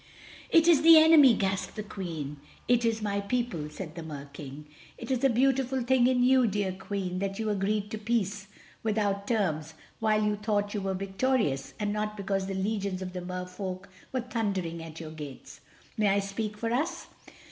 "It is the enemy!" gasped the Queen. "It is my people," said the Mer King. "It is a beautiful thing in you, dear Queen, that you agreed to peace, without terms, while you thought you were victorious, and not because the legions of the Mer Folk were thundering at your gates. May I speak for us?"